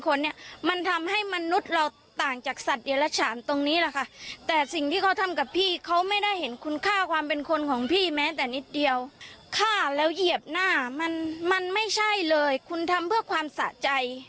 ข้าแล้วเหยียบหน้ามันมันไม่ใช่เลยคุณทำเพื่อความสะใจ